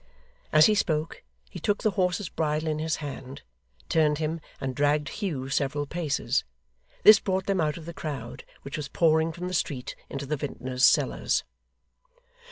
As he spoke, he took the horse's bridle in his hand, turned him, and dragged Hugh several paces. This brought them out of the crowd, which was pouring from the street into the vintner's cellars.